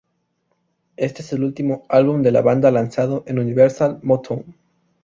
Este es el único álbum de la banda lanzado en Universal Motown.